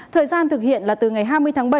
thời gian thực hiện là từ ngày hai mươi tháng bảy